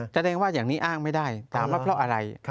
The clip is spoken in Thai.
แสดงว่าอย่างนี้อ้างไม่ได้ตามว่าเพราะอะไร